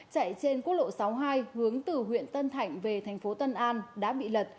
chạy trên quốc lộ sáu mươi hai hướng từ huyện tân thạnh về thành phố tân an đã bị lật